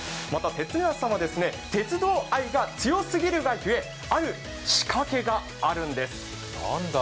鐵ノ家さんは鉄道愛が強すぎるがゆえある仕掛けがあるんです。